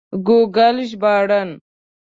ګوګل ژباړن